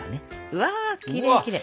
うわきれいきれい！